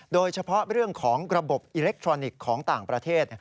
โดยเฉพาะเรื่องของระบบอิเล็กทรอนิกส์ของต่างประเทศ